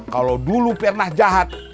kalau dulu pernah jahat